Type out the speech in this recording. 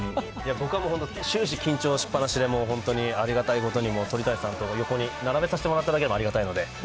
僕はもう本当に、終始緊張しっぱなしで、もう本当にありがたいことに鳥谷さんの横に並べさせてもらっただけでもありがたいので。